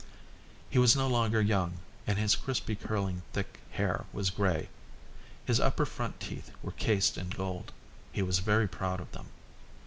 He was no longer young, and his crisply curling, thick hair was grey. His upper front teeth were cased in gold. He was very proud of them.